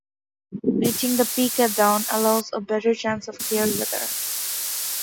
Reaching the peak at dawn allows a better chance of clear weather.